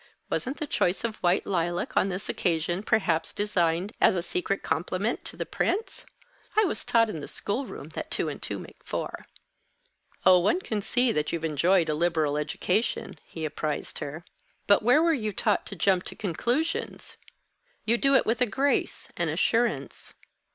Wasn't the choice of white lilac on this occasion perhaps designed as a secret compliment to the Prince? I was taught in the schoolroom that two and two make four." "Oh, one can see that you've enjoyed a liberal education," he apprised her. "But where were you taught to jump to conclusions? You do it with a grace, an assurance.